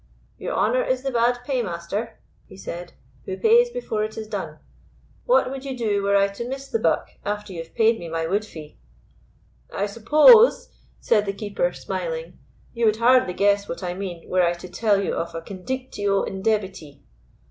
"Your honour is the bad paymaster," he said, "who pays before it is done. What would you do were I to miss the buck after you have paid me my wood fee?" "I suppose," said the Keeper, smiling, "you would hardly guess what I mean were I to tell you of a _condictio indebiti?